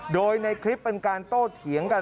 โดยในคลิปเป็นการโต้เถียงกัน